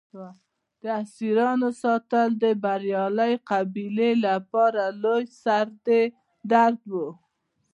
د اسیرانو ساتل د بریالۍ قبیلې لپاره لوی سر درد و.